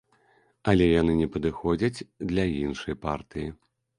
Але яны не падыходзяць для іншай партыі.